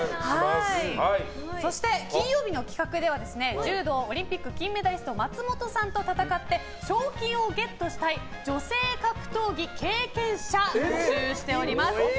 そして金曜日の企画では柔道オリンピック金メダリスト松本さんと戦って賞金をゲットしたい女性格闘技経験者募集しております。